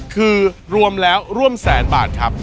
คือรวมแล้วร่วมแสนบาทครับ